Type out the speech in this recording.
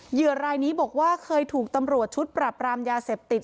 เหยืรายนี้บอกว่าเคยถูกตำรวจชุดปรับรามยาเสพติด